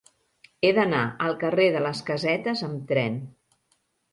He d'anar al carrer de les Casetes amb tren.